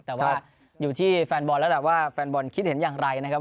แต่ว่าอยู่ที่แฟนบอลแล้วแหละว่าแฟนบอลคิดเห็นอย่างไรนะครับ